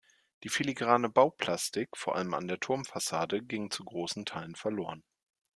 Die filigrane Bauplastik vor allem an der Turmfassade ging zu großen Teilen verloren.